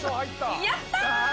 やった！